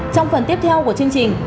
trong phần tiếp theo của chương trình